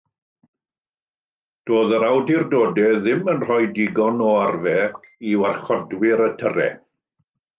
Doedd yr awdurdodau dim yn rhoi digon o arfau i warchodwyr y tyrau.